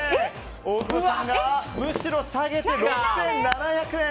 大久保さんがむしろ下げて、６７００円。